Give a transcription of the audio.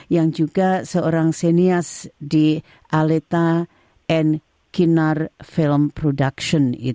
yang juga seorang senior di aleta kinar film production